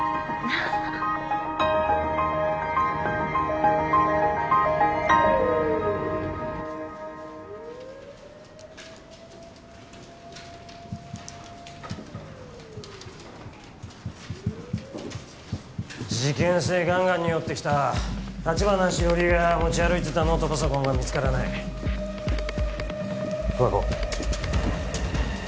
ハハッ事件性ガンガンにおってきた橘しおりが持ち歩いてたノートパソコンが見つからない桑子